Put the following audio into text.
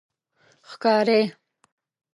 ښکاری